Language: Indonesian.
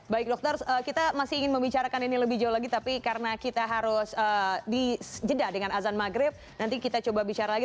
baik dokter kita masih ingin membicarakan ini lebih jauh lagi tapi karena kita harus dijeda dengan azan maghrib nanti kita coba bicara lagi